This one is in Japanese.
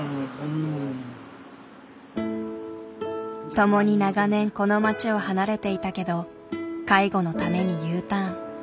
共に長年この町を離れていたけど介護のためにＵターン。